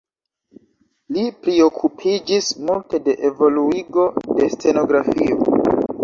Li priokupiĝis multe de evoluigo de stenografio.